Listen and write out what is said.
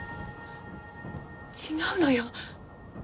違うのよ。